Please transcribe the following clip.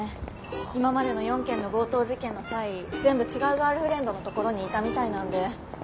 今までの４件の強盗事件の際全部違うガールフレンドのところにいたみたいなんで。